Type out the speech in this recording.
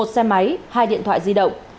một xe máy hai điện thoại di động